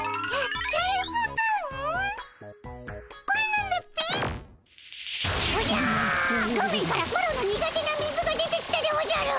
画面からマロの苦手な水が出てきたでおじゃる！